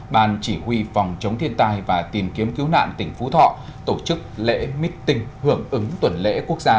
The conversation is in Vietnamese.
ban chỉ huy phòng chống thiên tai và tìm kiếm cứu nạn tỉnh phú thọ tổ chức lễ meeting hưởng ứng tuần lễ quốc gia